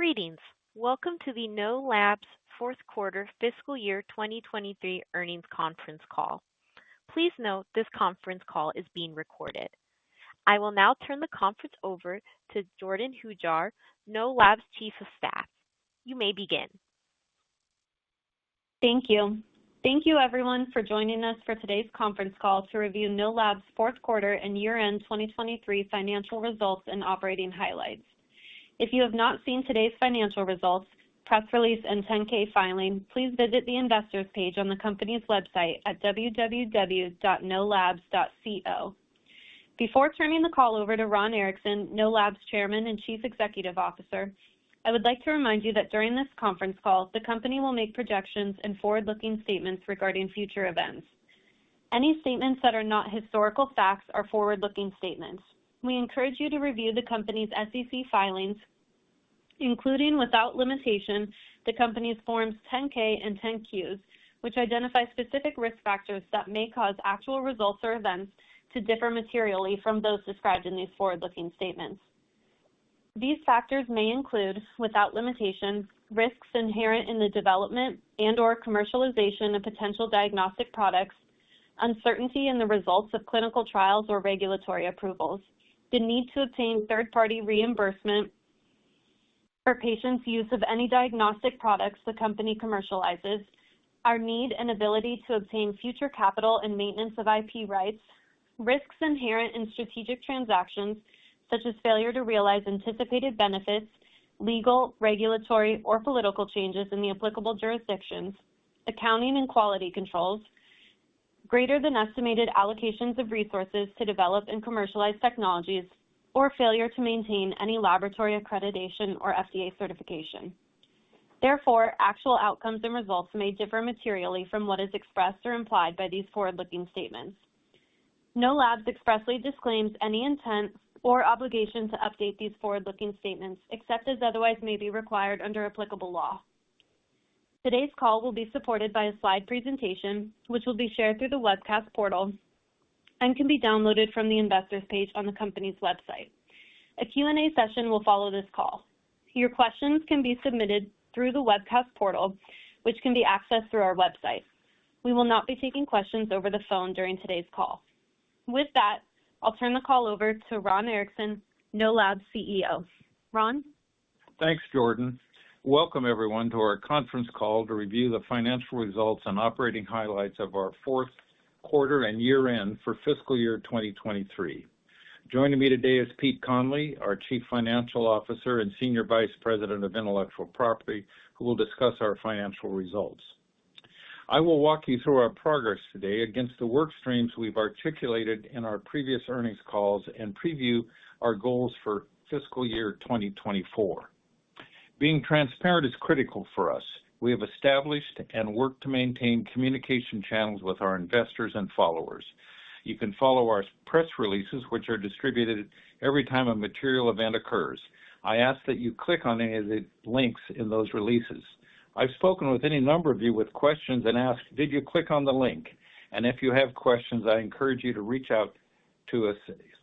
Greetings! Welcome to the Know Labs fourth quarter fiscal year 2023 earnings conference call. Please note, this conference call is being recorded. I will now turn the conference over to Jordyn Hujar, Know Labs Chief of Staff. You may begin. Thank you. Thank you everyone for joining us for today's conference call to review Know Labs' fourth quarter and year-end 2023 financial results and operating highlights. If you have not seen today's financial results, press release, and 10-K filing, please visit the investors page on the company's website at www.knowlabs.co. Before turning the call over to Ron Erickson, Know Labs Chairman and Chief Executive Officer, I would like to remind you that during this conference call, the company will make projections and forward-looking statements regarding future events. Any statements that are not historical facts are forward-looking statements. We encourage you to review the company's SEC filings, including, without limitation, the company's Forms 10-K and 10-Qs, which identify specific risk factors that may cause actual results or events to differ materially from those described in these forward-looking statements. These factors may include, without limitation, risks inherent in the development and/or commercialization of potential diagnostic products, uncertainty in the results of clinical trials or regulatory approvals, the need to obtain third-party reimbursement for patients' use of any diagnostic products the company commercializes, our need and ability to obtain future capital and maintenance of IP rights, risks inherent in strategic transactions, such as failure to realize anticipated benefits, legal, regulatory, or political changes in the applicable jurisdictions, accounting and quality controls, greater than estimated allocations of resources to develop and commercialize technologies, or failure to maintain any laboratory accreditation or FDA certification. Therefore, actual outcomes and results may differ materially from what is expressed or implied by these forward-looking statements. Know Labs expressly disclaims any intent or obligation to update these forward-looking statements, except as otherwise may be required under applicable law. Today's call will be supported by a slide presentation, which will be shared through the webcast portal and can be downloaded from the investors page on the company's website. A Q&A session will follow this call. Your questions can be submitted through the webcast portal, which can be accessed through our website. We will not be taking questions over the phone during today's call. With that, I'll turn the call over to Ron Erickson, Know Labs CEO. Ron? Thanks, Jordyn. Welcome everyone to our conference call to review the financial results and operating highlights of our fourth quarter and year-end for fiscal year 2023. Joining me today is Pete Conley, our Chief Financial Officer and Senior Vice President of Intellectual Property, who will discuss our financial results. I will walk you through our progress today against the work streams we've articulated in our previous earnings calls and preview our goals for fiscal year 2024. Being transparent is critical for us. We have established and worked to maintain communication channels with our investors and followers. You can follow our press releases, which are distributed every time a material event occurs. I ask that you click on any of the links in those releases. I've spoken with any number of you with questions and asked, "Did you click on the link?" And if you have questions, I encourage you to reach out to us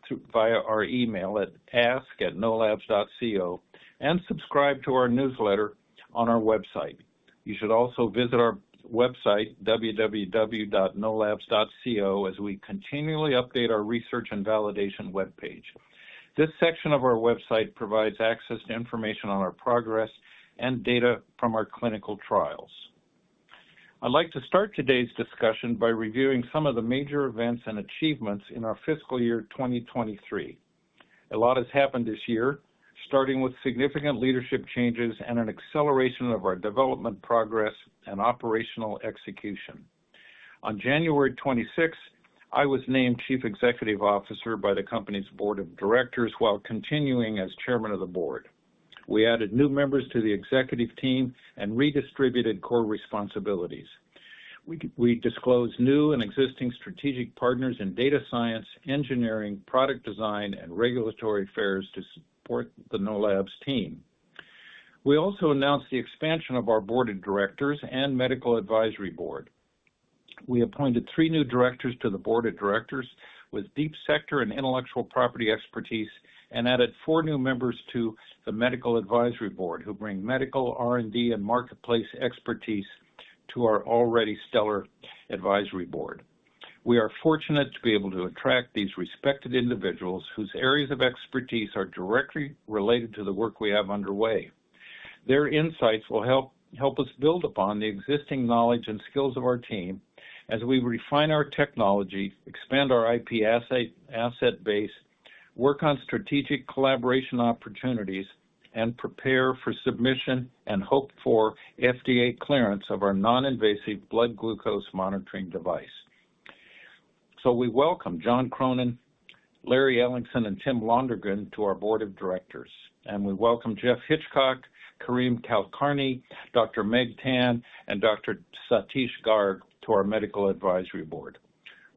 through via our email at ask@knowlabs.co and subscribe to our newsletter on our website. You should also visit our website, www.knowlabs.co, as we continually update our research and validation webpage. This section of our website provides access to information on our progress and data from our clinical trials. I'd like to start today's discussion by reviewing some of the major events and achievements in our fiscal year 2023. A lot has happened this year, starting with significant leadership changes and an acceleration of our development progress and operational execution. On January 26th, I was named Chief Executive Officer by the company's Board of Directors, while continuing as Chairman of the Board. We added new members to the executive team and redistributed core responsibilities. We disclosed new and existing strategic partners in data science, engineering, product design, and regulatory affairs to support the Know Labs team. We also announced the expansion of our Board of Directors and Medical Advisory Board. We appointed three new directors to the Board of Directors with deep sector and intellectual property expertise, and added four new members to the Medical Advisory Board, who bring medical, R&D, and marketplace expertise to our already stellar advisory board. We are fortunate to be able to attract these respected individuals whose areas of expertise are directly related to the work we have underway. Their insights will help us build upon the existing knowledge and skills of our team as we refine our technology, expand our IP asset base, work on strategic collaboration opportunities, and prepare for submission and hope for FDA clearance of our non-invasive blood glucose monitoring device. So we welcome John Cronin, Larry Ellingson, and Tim Londergan to our Board of Directors, and we welcome Jeff Hitchcock, Karmeen Kulkarni, Dr. Meng Tan, and Dr. Satish Garg to our Medical Advisory Board.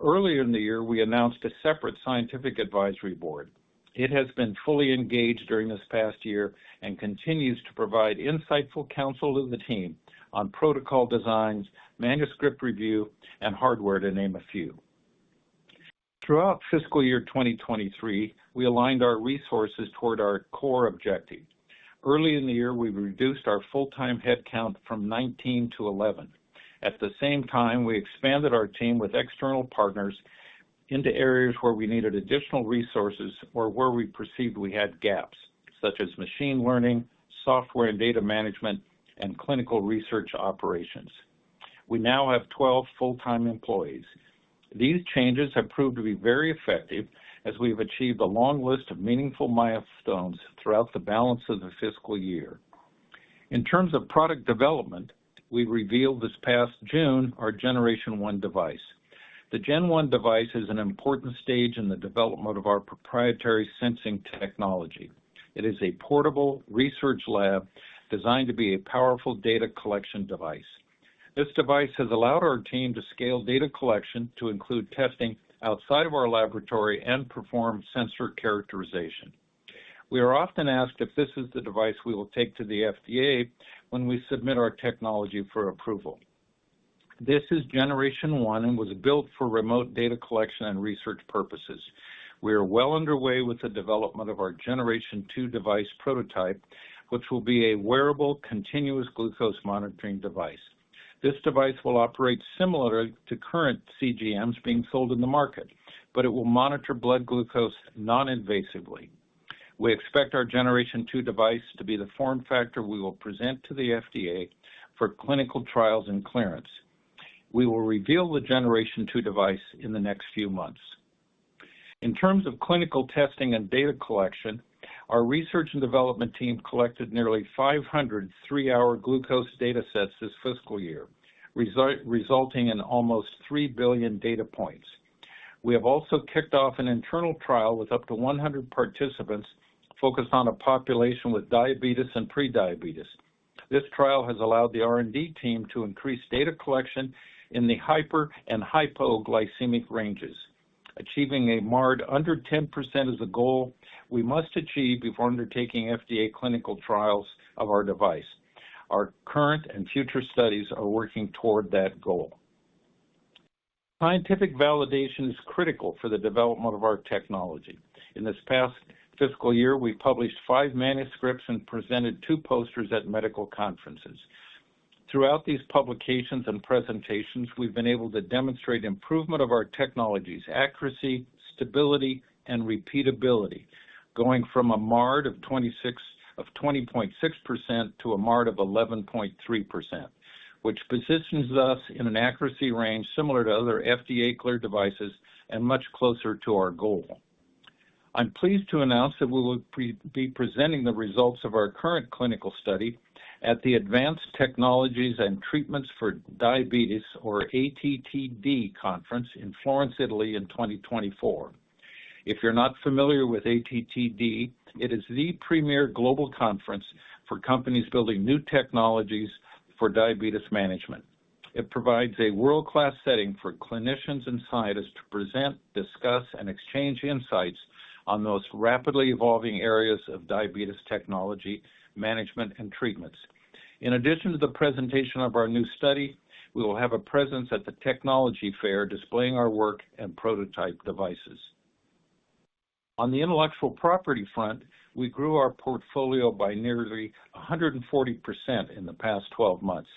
Earlier in the year, we announced a separate Scientific Advisory Board. It has been fully engaged during this past year and continues to provide insightful counsel to the team on protocol designs, manuscript review, and hardware, to name a few. Throughout fiscal year 2023, we aligned our resources toward our core objective. Early in the year, we reduced our full-time headcount from 19 to 11. At the same time, we expanded our team with external partners into areas where we needed additional resources or where we perceived we had gaps, such as machine learning, software and data management, and clinical research operations. We now have 12 full-time employees. These changes have proved to be very effective as we've achieved a long list of meaningful milestones throughout the balance of the fiscal year. In terms of product development, we revealed, this past June, our Generation 1 device. The Gen 1 device is an important stage in the development of our proprietary sensing technology. It is a portable research lab designed to be a powerful data collection device. This device has allowed our team to scale data collection to include testing outside of our laboratory and perform sensor characterization. We are often asked if this is the device we will take to the FDA when we submit our technology for approval. This is Generation 1 and was built for remote data collection and research purposes. We are well underway with the development of our Generation 2 device prototype, which will be a wearable, continuous glucose monitoring device. This device will operate similar to current CGMs being sold in the market, but it will monitor blood glucose non-invasively. We expect our Generation 2 device to be the form factor we will present to the FDA for clinical trials and clearance. We will reveal the Generation 2 device in the next few months. In terms of clinical testing and data collection, our research and development team collected nearly 500 three-hour glucose data sets this fiscal year, resulting in almost 3 billion data points. We have also kicked off an internal trial with up to 100 participants focused on a population with diabetes and prediabetes. This trial has allowed the R&D team to increase data collection in the hyperglycemic and hypoglycemic ranges. Achieving a MARD under 10% is a goal we must achieve before undertaking FDA clinical trials of our device. Our current and future studies are working toward that goal. Scientific validation is critical for the development of our technology. In this past fiscal year, we published five manuscripts and presented two posters at medical conferences. Throughout these publications and presentations, we've been able to demonstrate improvement of our technology's accuracy, stability, and repeatability, going from a MARD of 20.6% to a MARD of 11.3%, which positions us in an accuracy range similar to other FDA-cleared devices and much closer to our goal. I'm pleased to announce that we will be presenting the results of our current clinical study at the Advanced Technologies and Treatments for Diabetes, or ATTD Conference, in Florence, Italy, in 2024. If you're not familiar with ATTD, it is the premier global conference for companies building new technologies for diabetes management. It provides a world-class setting for clinicians and scientists to present, discuss, and exchange insights on those rapidly evolving areas of diabetes technology, management, and treatments. In addition to the presentation of our new study, we will have a presence at the technology fair, displaying our work and prototype devices. On the intellectual property front, we grew our portfolio by nearly 140% in the past 12 months.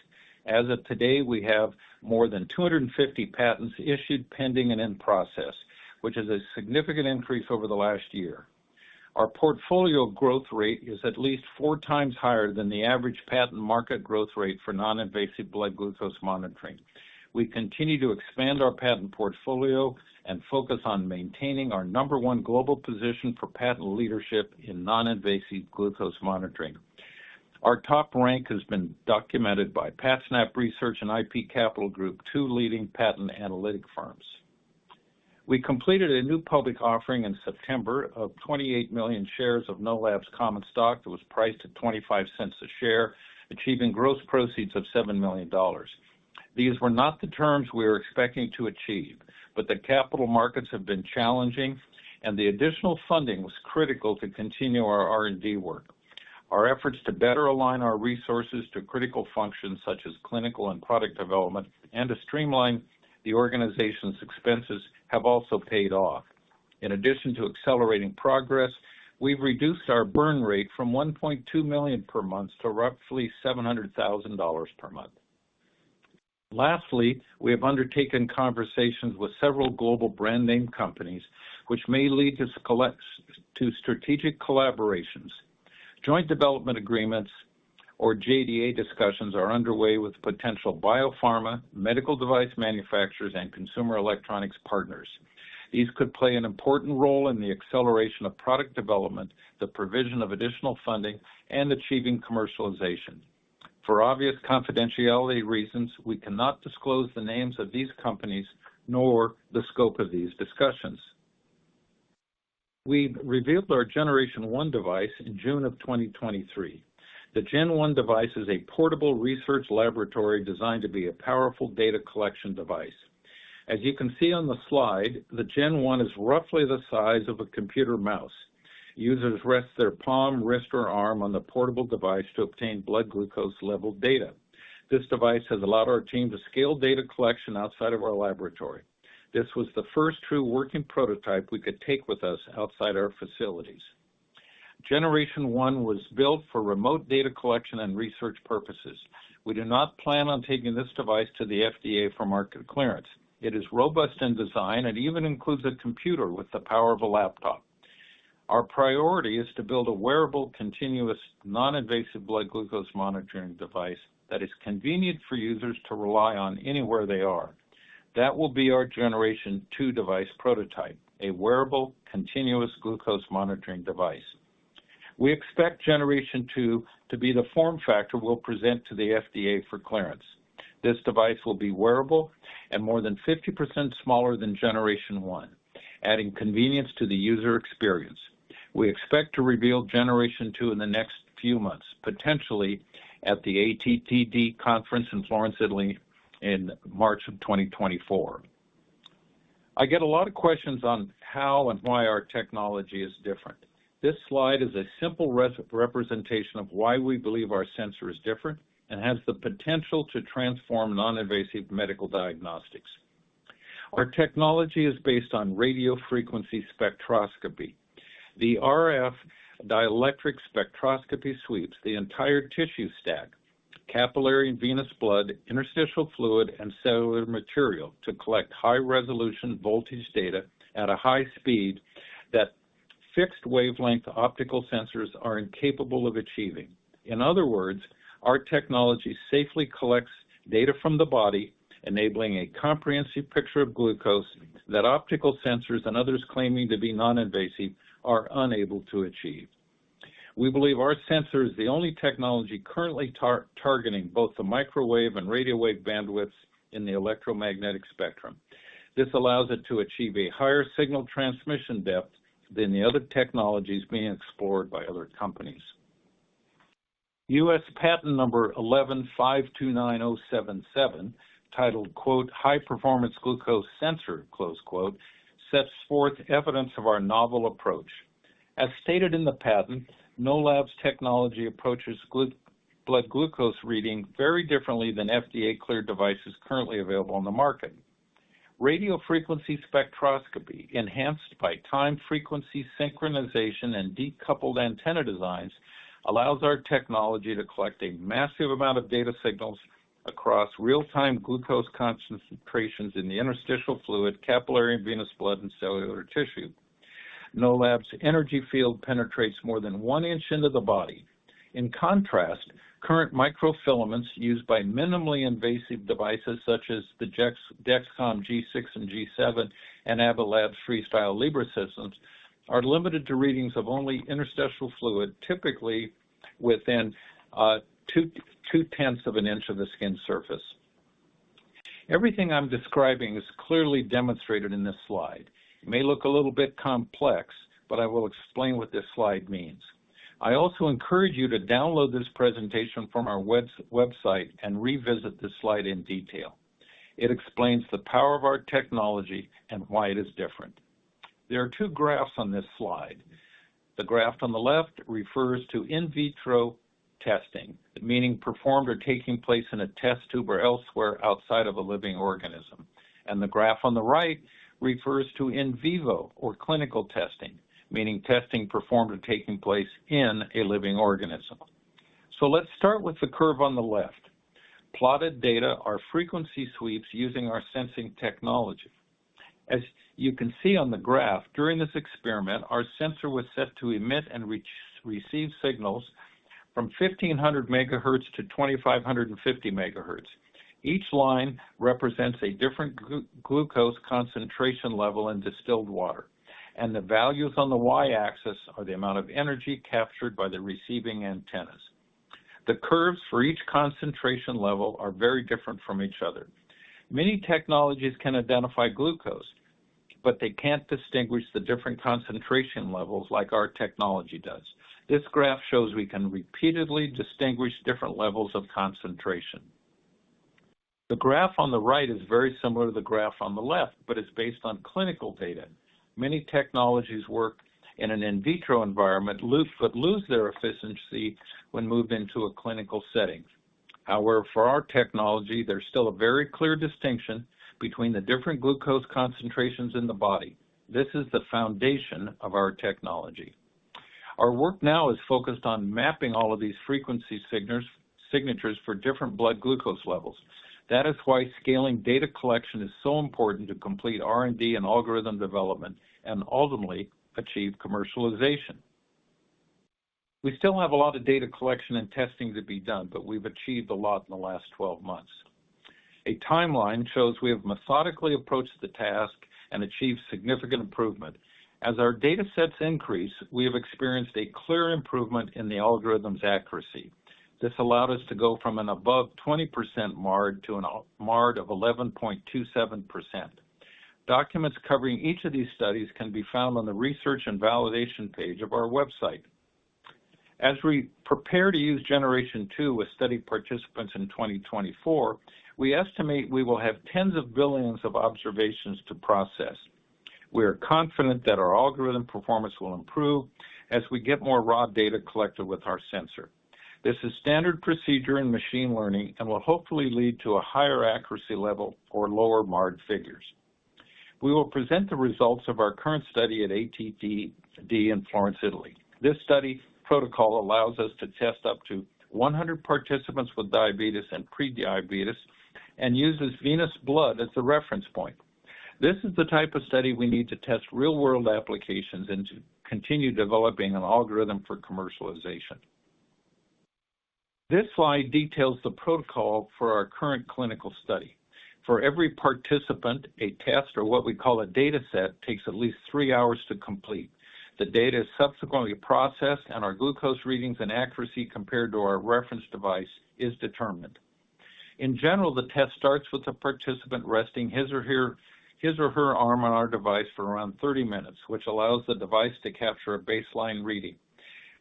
As of today, we have more than 250 patents issued, pending, and in process, which is a significant increase over the last year. Our portfolio growth rate is at least 4x higher than the average patent market growth rate for non-invasive blood glucose monitoring. We continue to expand our patent portfolio and focus on maintaining our number one global position for patent leadership in non-invasive glucose monitoring. Our top rank has been documented by PatSnap Research and ipCapital Group, two leading patent analytic firms. We completed a new public offering in September of 28 million shares of Know Labs common stock that was priced at $0.25 a share, achieving gross proceeds of $7 million. These were not the terms we were expecting to achieve, but the capital markets have been challenging, and the additional funding was critical to continue our R&D work. Our efforts to better align our resources to critical functions such as clinical and product development, and to streamline the organization's expenses, have also paid off. In addition to accelerating progress, we've reduced our burn rate from $1.2 million per month to roughly $700,000 per month. Lastly, we have undertaken conversations with several global brand name companies, which may lead to strategic collaborations. Joint development agreements or JDA discussions are underway with potential biopharma, medical device manufacturers, and consumer electronics partners. These could play an important role in the acceleration of product development, the provision of additional funding, and achieving commercialization. For obvious confidentiality reasons, we cannot disclose the names of these companies nor the scope of these discussions. We revealed our Generation 1 device in June 2023. The Gen 1 device is a portable research laboratory designed to be a powerful data collection device. As you can see on the slide, the Gen 1 is roughly the size of a computer mouse. Users rest their palm, wrist, or arm on the portable device to obtain blood glucose level data. This device has allowed our team to scale data collection outside of our laboratory. This was the first true working prototype we could take with us outside our facilities. Generation 1 was built for remote data collection and research purposes. We do not plan on taking this device to the FDA for market clearance. It is robust in design and even includes a computer with the power of a laptop. Our priority is to build a wearable, continuous, non-invasive blood glucose monitoring device that is convenient for users to rely on anywhere they are. That will be our Generation 2 device prototype, a wearable, continuous glucose monitoring device. We expect Generation 2 to be the form factor we'll present to the FDA for clearance. This device will be wearable and more than 50% smaller than Generation 1, adding convenience to the user experience. We expect to reveal Generation 2 in the next few months, potentially at the ATTD conference in Florence, Italy, in March 2024. I get a lot of questions on how and why our technology is different. This slide is a simple representation of why we believe our sensor is different and has the potential to transform non-invasive medical diagnostics. Our technology is based on radio frequency spectroscopy. The RF dielectric spectroscopy sweeps the entire tissue stack, capillary and venous blood, interstitial fluid, and cellular material to collect high-resolution voltage data at a high speed that fixed-wavelength optical sensors are incapable of achieving. In other words, our technology safely collects data from the body, enabling a comprehensive picture of glucose that optical sensors and others claiming to be non-invasive are unable to achieve. We believe our sensor is the only technology currently targeting both the microwave and radio wave bandwidths in the electromagnetic spectrum. This allows it to achieve a higher signal transmission depth than the other technologies being explored by other companies. U.S. Patent number 11,529,077, titled, quote, "High Performance Glucose Sensor," close quote, sets forth evidence of our novel approach. As stated in the patent, Know Labs technology approaches blood glucose reading very differently than FDA-cleared devices currently available on the market. Radio frequency spectroscopy, enhanced by time frequency synchronization and decoupled antenna designs, allows our technology to collect a massive amount of data signals across real-time glucose concentrations in the interstitial fluid, capillary and venous blood, and cellular tissue. Know Labs' energy field penetrates more than 1 in into the body. In contrast, current microfilaments used by minimally invasive devices, such as the Dexcom G6 and G7 and Abbott Labs' FreeStyle Libre systems, are limited to readings of only interstitial fluid, typically within 0.2 of an inch of the skin surface. Everything I'm describing is clearly demonstrated in this slide. It may look a little bit complex, but I will explain what this slide means. I also encourage you to download this presentation from our website and revisit this slide in detail. It explains the power of our technology and why it is different. There are two graphs on this slide. The graph on the left refers to in vitro testing, meaning performed or taking place in a test tube or elsewhere outside of a living organism. And the graph on the right refers to in vivo or clinical testing, meaning testing performed or taking place in a living organism. So let's start with the curve on the left. Plotted data are frequency sweeps using our sensing technology. As you can see on the graph, during this experiment, our sensor was set to emit and receive signals from 1,500 MHz to 2,550 MHz. Each line represents a different glucose concentration level in distilled water, and the values on the Y-axis are the amount of energy captured by the receiving antennas. The curves for each concentration level are very different from each other. Many technologies can identify glucose, but they can't distinguish the different concentration levels like our technology does. This graph shows we can repeatedly distinguish different levels of concentration. The graph on the right is very similar to the graph on the left, but it's based on clinical data. Many technologies work in an in vitro environment, but lose their efficiency when moved into a clinical setting. However, for our technology, there's still a very clear distinction between the different glucose concentrations in the body. This is the foundation of our technology. Our work now is focused on mapping all of these frequency signatures for different blood glucose levels. That is why scaling data collection is so important to complete R&D and algorithm development and ultimately achieve commercialization. We still have a lot of data collection and testing to be done, but we've achieved a lot in the last 12 months. A timeline shows we have methodically approached the task and achieved significant improvement. As our datasets increase, we have experienced a clear improvement in the algorithm's accuracy. This allowed us to go from an above 20% MARD to a MARD of 11.27%. Documents covering each of these studies can be found on the Research and Validation page of our website. As we prepare to use Generation 2 with study participants in 2024, we estimate we will have tens of billions of observations to process. We are confident that our algorithm performance will improve as we get more raw data collected with our sensor. This is standard procedure in machine learning and will hopefully lead to a higher accuracy level or lower MARD figures. We will present the results of our current study at ATTD in Florence, Italy. This study protocol allows us to test up to 100 participants with diabetes and prediabetes, and uses venous blood as a reference point. This is the type of study we need to test real-world applications and to continue developing an algorithm for commercialization. This slide details the protocol for our current clinical study. For every participant, a test or what we call a data set, takes at least three hours to complete. The data is subsequently processed, and our glucose readings and accuracy, compared to our reference device, is determined. In general, the test starts with the participant resting his or her arm on our device for around 30 minutes, which allows the device to capture a baseline reading.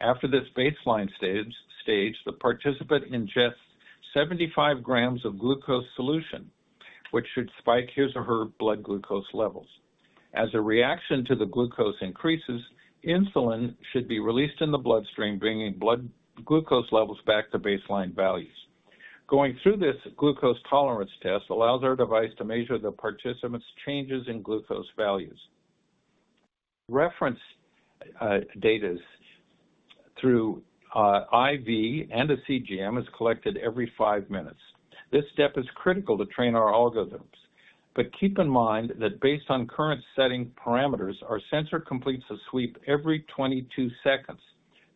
After this baseline stage, the participant ingests 75 g of glucose solution, which should spike his or her blood glucose levels. As a reaction to the glucose increases, insulin should be released in the bloodstream, bringing blood glucose levels back to baseline values. Going through this glucose tolerance test allows our device to measure the participant's changes in glucose values. Reference data through IV and a CGM is collected every five minutes. This step is critical to train our algorithms. But keep in mind that based on current setting parameters, our sensor completes a sweep every 22 seconds.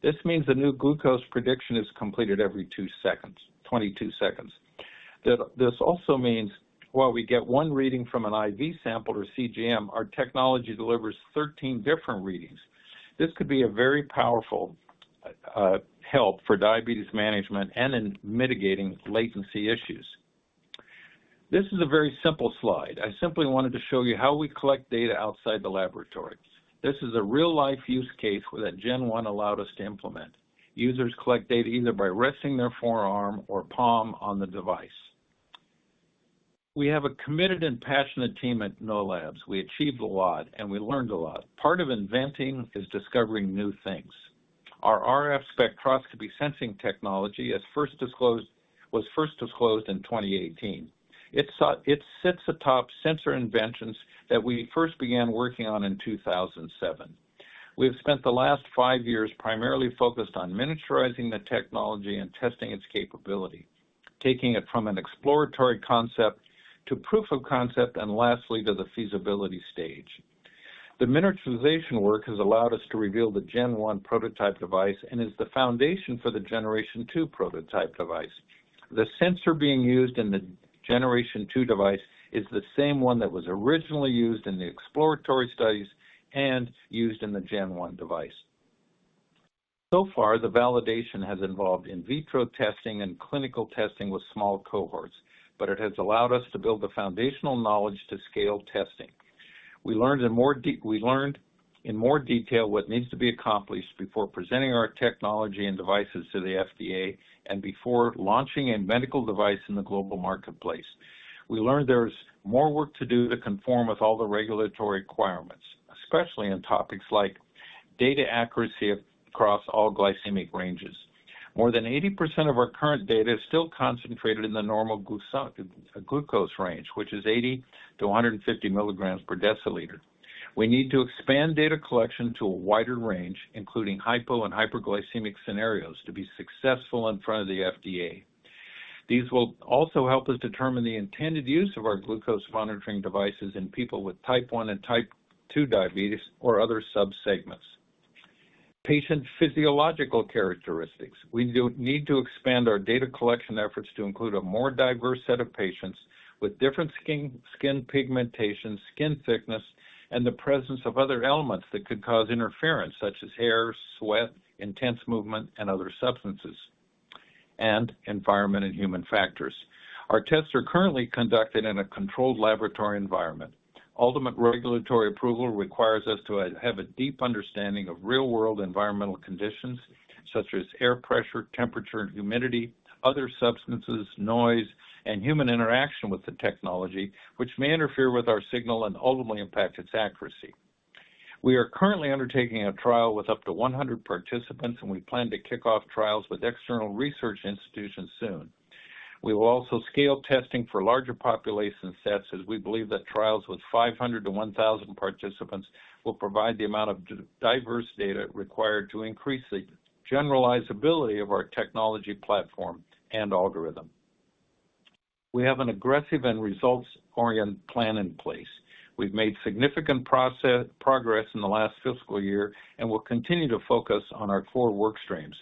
This means a new glucose prediction is completed every 2 seconds - 22 seconds. This also means while we get one reading from an IV sample or CGM, our technology delivers 13 different readings. This could be a very powerful help for diabetes management and in mitigating latency issues. This is a very simple slide. I simply wanted to show you how we collect data outside the laboratory. This is a real-life use case that Gen 1 allowed us to implement. Users collect data either by resting their forearm or palm on the device. We have a committed and passionate team at Know Labs. We achieved a lot, and we learned a lot. Part of inventing is discovering new things. Our RF spectroscopy sensing technology was first disclosed in 2018. It sits atop sensor inventions that we first began working on in 2007. We have spent the last five years primarily focused on miniaturizing the technology and testing its capability, taking it from an exploratory concept to proof of concept, and lastly, to the feasibility stage. The miniaturization work has allowed us to reveal the Gen 1 prototype device and is the foundation for the Generation 2 prototype device. The sensor being used in the Generation 2 device is the same one that was originally used in the exploratory studies and used in the Gen 1 device. So far, the validation has involved in vitro testing and clinical testing with small cohorts, but it has allowed us to build the foundational knowledge to scale testing. We learned in more detail what needs to be accomplished before presenting our technology and devices to the FDA and before launching a medical device in the global marketplace. We learned there's more work to do to conform with all the regulatory requirements, especially on topics like data accuracy across all glycemic ranges. More than 80% of our current data is still concentrated in the normal glucose range, which is 80-150 mg per deciliter. We need to expand data collection to a wider range, including hypo and hyperglycemic scenarios, to be successful in front of the FDA. These will also help us determine the intended use of our glucose monitoring devices in people with type one and type two diabetes or other subsegments. Patient physiological characteristics. We do need to expand our data collection efforts to include a more diverse set of patients with different skin, skin pigmentation, skin thickness, and the presence of other elements that could cause interference, such as hair, sweat, intense movement, and other substances, and environment and human factors. Our tests are currently conducted in a controlled laboratory environment. Ultimate regulatory approval requires us to have a deep understanding of real-world environmental conditions such as air pressure, temperature and humidity, other substances, noise, and human interaction with the technology, which may interfere with our signal and ultimately impact its accuracy. We are currently undertaking a trial with up to 100 participants, and we plan to kick off trials with external research institutions soon. We will also scale testing for larger population sets, as we believe that trials with 500-1,000 participants will provide the amount of diverse data required to increase the generalizability of our technology platform and algorithm. We have an aggressive and results-oriented plan in place. We've made significant progress in the last fiscal year and will continue to focus on our core work streams.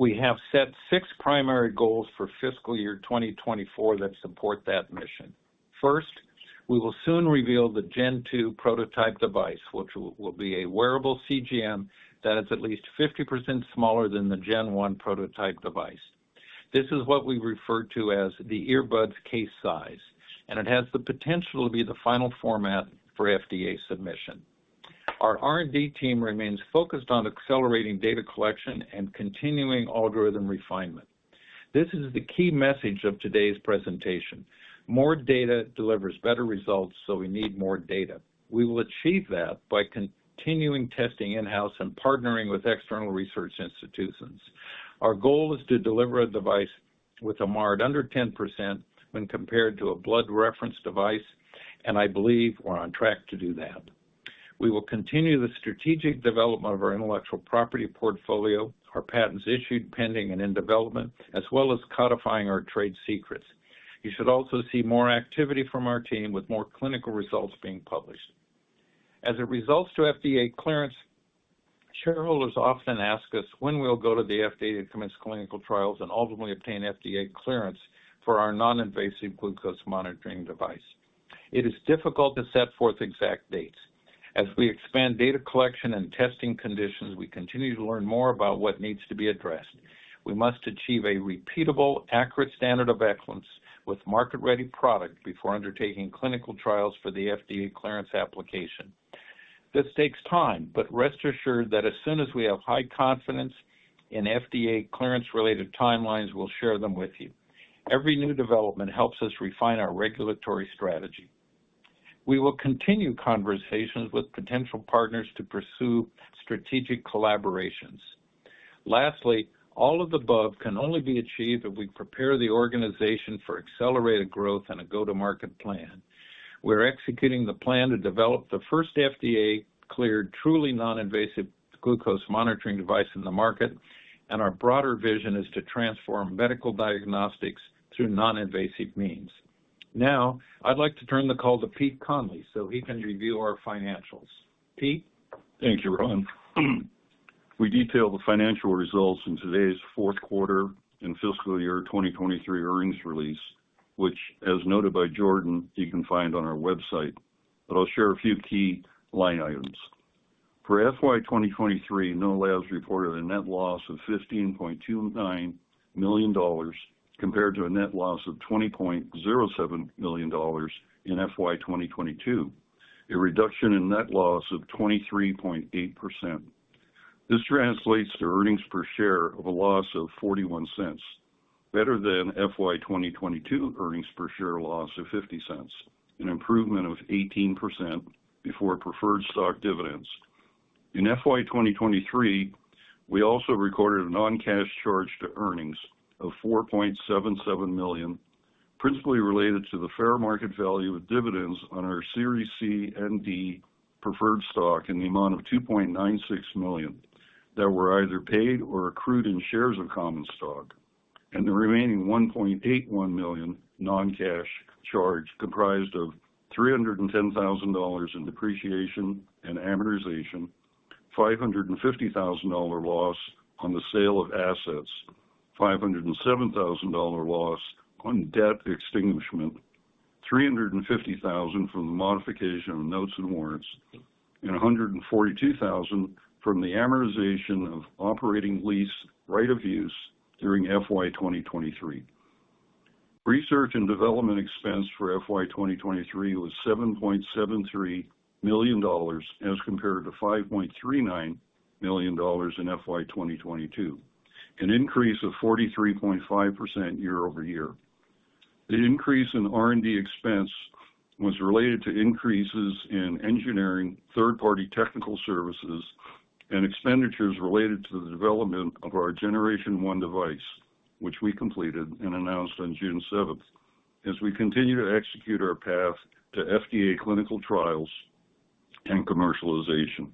We have set six primary goals for fiscal year 2024 that support that mission. First, we will soon reveal the Gen 2 prototype device, which will be a wearable CGM that is at least 50% smaller than the Gen 1 prototype device. This is what we refer to as the earbuds case size, and it has the potential to be the final format for FDA submission. Our R&D team remains focused on accelerating data collection and continuing algorithm refinement. This is the key message of today's presentation. More data delivers better results, so we need more data. We will achieve that by continuing testing in-house and partnering with external research institutions. Our goal is to deliver a device with a MARD under 10% when compared to a blood reference device, and I believe we're on track to do that. We will continue the strategic development of our intellectual property portfolio, our patents issued, pending, and in development, as well as codifying our trade secrets. You should also see more activity from our team, with more clinical results being published. As it relates to FDA clearance, shareholders often ask us when we'll go to the FDA to commence clinical trials and ultimately obtain FDA clearance for our non-invasive glucose monitoring device. It is difficult to set forth exact dates. As we expand data collection and testing conditions, we continue to learn more about what needs to be addressed. We must achieve a repeatable, accurate standard of excellence with market-ready product before undertaking clinical trials for the FDA clearance application. This takes time, but rest assured that as soon as we have high confidence in FDA clearance-related timelines, we'll share them with you. Every new development helps us refine our regulatory strategy. We will continue conversations with potential partners to pursue strategic collaborations. Lastly, all of the above can only be achieved if we prepare the organization for accelerated growth and a go-to-market plan. We're executing the plan to develop the first FDA-cleared, truly non-invasive glucose monitoring device in the market, and our broader vision is to transform medical diagnostics through non-invasive means. Now, I'd like to turn the call to Pete Conley, so he can review our financials. Pete? Thank you, Ron. We detailed the financial results in today's fourth quarter and fiscal year 2023 earnings release, which, as noted by Jordyn, you can find on our website, but I'll share a few key line items. For FY 2023, Know Labs reported a net loss of $15.29 million, compared to a net loss of $20.07 million in FY 2022, a reduction in net loss of 23.8%. This translates to earnings per share of a loss of $0.41, better than FY 2022 earnings per share loss of $0.50, an improvement of 18% before preferred stock dividends. In FY 2023, we also recorded a non-cash charge to earnings of $4.77 million, principally related to the fair market value of dividends on our Series C and D preferred stock in the amount of $2.96 million that were either paid or accrued in shares of common stock. The remaining $1.81 million non-cash charge comprised of $310,000 in depreciation and amortization, $550,000 dollar loss on the sale of assets, $507,000 loss on debt extinguishment, $350,000 from the modification of notes and warrants, and $142,000 from the amortization of operating lease right of use during FY 2023. Research and development expense for FY 2023 was $7.73 million, as compared to $5.39 million in FY 2022, an increase of 43.5% year-over-year. The increase in R&D expense was related to increases in engineering, third-party technical services, and expenditures related to the development of our Generation 1 device, which we completed and announced on June 7th, as we continue to execute our path to FDA clinical trials and commercialization.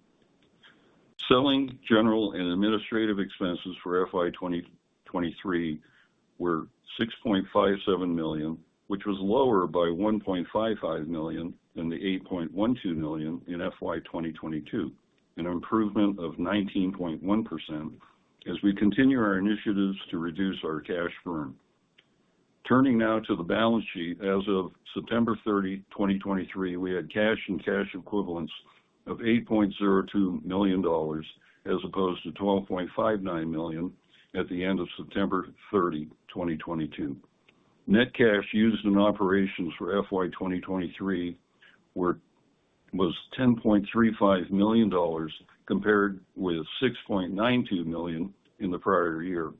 Selling general and administrative expenses for FY 2023 were $6.57 million, which was lower by $1.55 million than the $8.12 million in FY 2022, an improvement of 19.1% as we continue our initiatives to reduce our cash burn. Turning now to the balance sheet. As of September 30, 2023, we had cash and cash equivalents of $8.02 million, as opposed to $12.59 million at the end of September 30, 2022. Net cash used in operations for FY 2023 was $10.35 million, compared with $6.92 million in the prior year.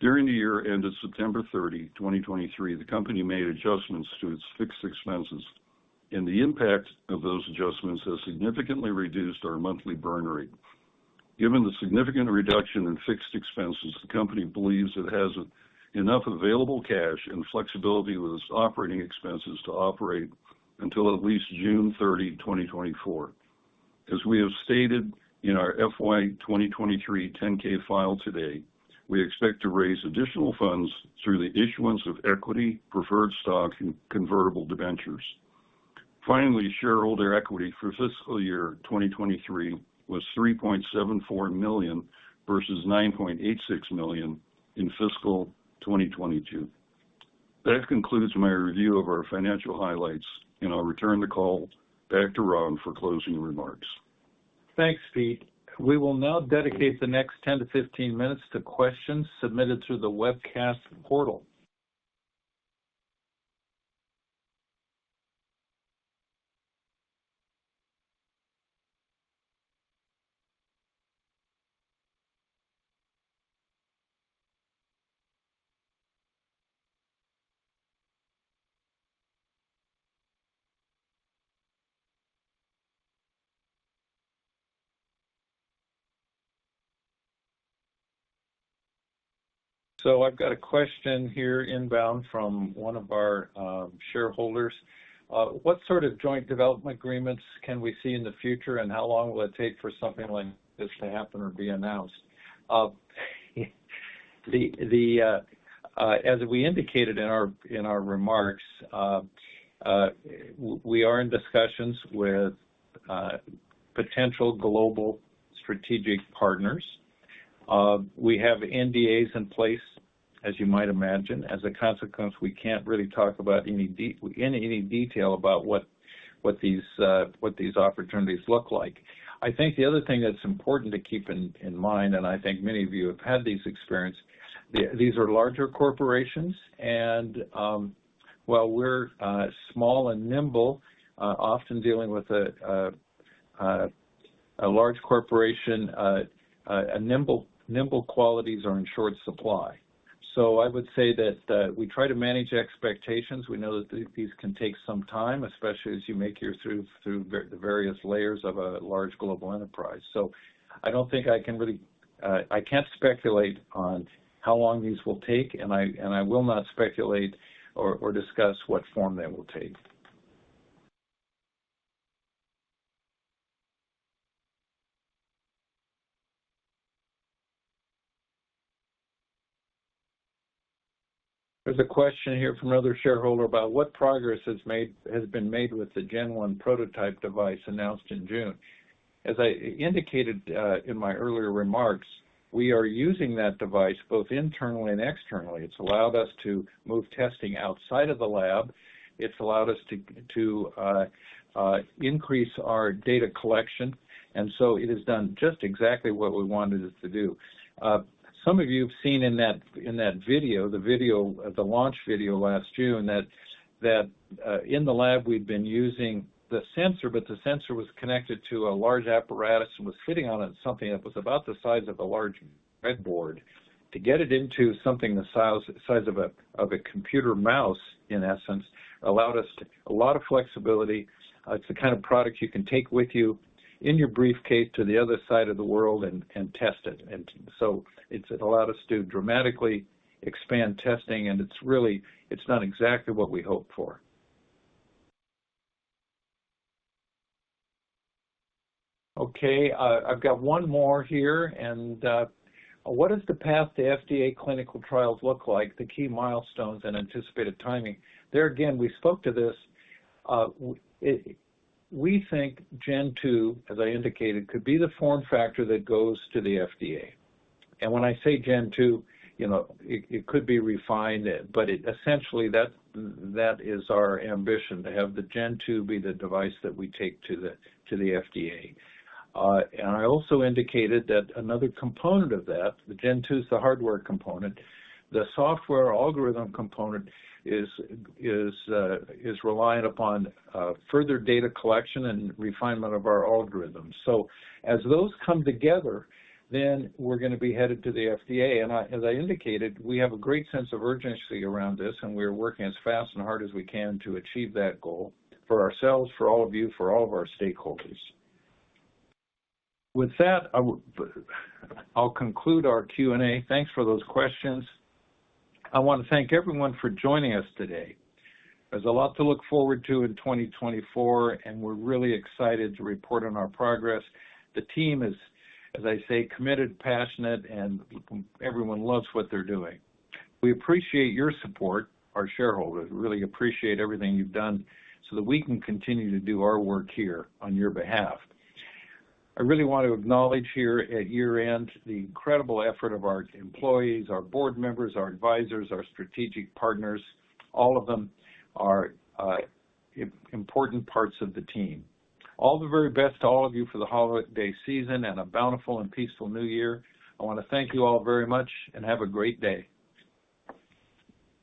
During the year ended September 30, 2023, the company made adjustments to its fixed expenses, and the impact of those adjustments has significantly reduced our monthly burn rate. Given the significant reduction in fixed expenses, the company believes it has enough available cash and flexibility with its operating expenses to operate until at least June 30, 2024. As we have stated in our FY 2023 10-K file today, we expect to raise additional funds through the issuance of equity, preferred stock, and convertible debentures. Finally, shareholder equity for fiscal year 2023 was $3.74 million versus $9.86 million in fiscal 2022. That concludes my review of our financial highlights, and I'll return the call back to Ron for closing remarks. Thanks, Pete. We will now dedicate the next 10-15 minutes to questions submitted through the webcast portal. So I've got a question here inbound from one of our shareholders. "What sort of joint development agreements can we see in the future, and how long will it take for something like this to happen or be announced?" As we indicated in our remarks, we are in discussions with potential global strategic partners. We have NDAs in place, as you might imagine. As a consequence, we can't really talk about any deals in any detail about what these opportunities look like. I think the other thing that's important to keep in mind, and I think many of you have had these experiences. These are larger corporations, and while we're small and nimble, often dealing with a large corporation, nimble qualities are in short supply. So I would say that we try to manage expectations. We know that these can take some time, especially as you make your way through the various layers of a large global enterprise. So I don't think I can really. I can't speculate on how long these will take, and I will not speculate or discuss what form they will take. There's a question here from another shareholder about: "What progress has been made with the Gen 1 prototype device announced in June?" As I indicated in my earlier remarks, we are using that device both internally and externally. It's allowed us to move testing outside of the lab. It's allowed us to increase our data collection, and so it has done just exactly what we wanted it to do. Some of you have seen in that video, the launch video last June, that in the lab, we've been using the sensor, but the sensor was connected to a large apparatus and was sitting on something that was about the size of a large breadboard. To get it into something the size of a computer mouse, in essence, allowed us a lot of flexibility. It's the kind of product you can take with you in your briefcase to the other side of the world and test it. And so it's allowed us to dramatically expand testing, and it's really. It's done exactly what we hoped for. Okay, I've got one more here, and: "What does the path to FDA clinical trials look like, the key milestones and anticipated timing?" There, again, we spoke to this. We think Gen 2, as I indicated, could be the form factor that goes to the FDA. And when I say Gen 2, you know, it could be refined, but it essentially, that is our ambition, to have the Gen 2 be the device that we take to the FDA. And I also indicated that another component of that, the Gen 2 is the hardware component, the software algorithm component is reliant upon further data collection and refinement of our algorithms. So as those come together, then we're gonna be headed to the FDA. And as I indicated, we have a great sense of urgency around this, and we are working as fast and hard as we can to achieve that goal for ourselves, for all of you, for all of our stakeholders. With that, I'll conclude our Q&A. Thanks for those questions. I want to thank everyone for joining us today. There's a lot to look forward to in 2024, and we're really excited to report on our progress. The team is, as I say, committed, passionate, and everyone loves what they're doing. We appreciate your support, our shareholders. We really appreciate everything you've done so that we can continue to do our work here on your behalf. I really want to acknowledge here at year-end the incredible effort of our employees, our board members, our advisors, our strategic partners. All of them are important parts of the team. All the very best to all of you for the holiday season and a bountiful and peaceful New Year. I want to thank you all very much, and have a great day!